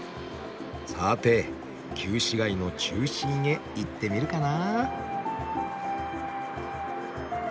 さて旧市街の中心へ行ってみるかな。